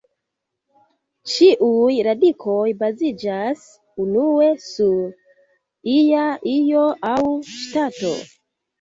Ĉiuj radikoj baziĝas unue sur ia io aŭ ŝtato.